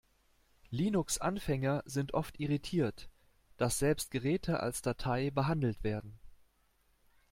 Linux-Anfänger sind oft irritiert, dass selbst Geräte als Datei behandelt werden.